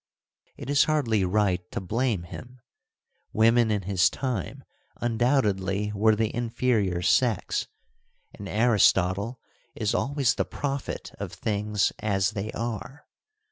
It is hardly right to blame him : women in his time undoubtedly were the inferior sex, and Aristotle is always the prophet of things as they are.